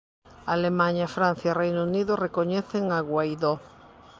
Alemaña, Francia e Reino Unido recoñecen a Guaidó.